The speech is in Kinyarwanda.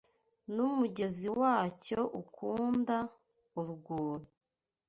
n'umugezi wacyo ukunda, urwuri